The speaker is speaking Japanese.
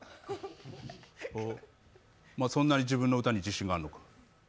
ほう、そんなに自分の歌に自信あんのか。